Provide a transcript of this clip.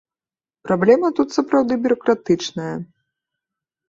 Праблема тут сапраўды бюракратычная.